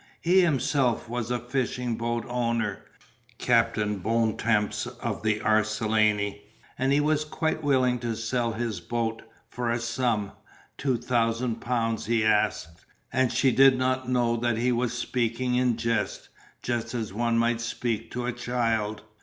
He himself was a fishing boat owner, Captain Bontemps of the Arlesienne, and he was quite willing to sell his boat, for a sum two thousand pounds he asked, and she did not know that he was speaking in jest, just as one might speak to a child.